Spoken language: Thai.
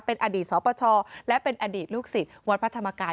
เป็นอดีตสปชและเป็นอดีตลูกศิษย์วัดพระธรรมกาย